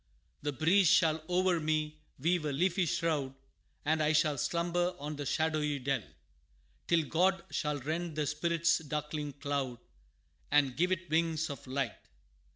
The breeze shall o'er me weave a leafy shroud, And I shall slumber in the shadowy dell Till God shall rend the spirit's darkling cloud, And give it wings of light.